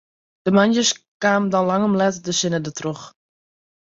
De moandeis kaam dan lang om let de sinne dertroch.